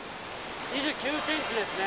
２９ｃｍですね。